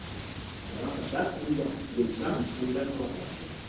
Demà passat en Llop i en Sam aniran a la platja.